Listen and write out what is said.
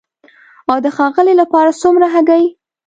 او د ښاغلي لپاره څومره هګۍ؟